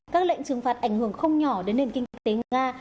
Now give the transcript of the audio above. các lệnh trừng phạt ảnh hưởng không nhỏ đến nền kinh tế nga